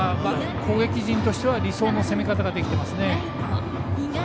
攻撃陣としては理想の攻め方ができています。